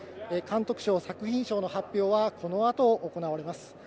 監督賞、作品賞の発表はこの後、行われます。